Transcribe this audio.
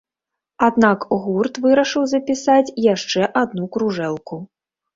Аднак гурт вырашыў запісаць яшчэ адну кружэлку.